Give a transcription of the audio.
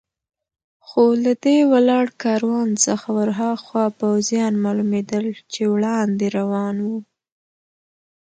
خو له دې ولاړ کاروان څخه ور هاخوا پوځیان معلومېدل چې وړاندې روان و.